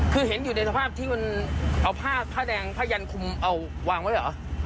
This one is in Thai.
คือเห็นอยู่ในสภาพที่มันเอาผ้าแดงผ้ายันคุมเอาวางไว้เหรอ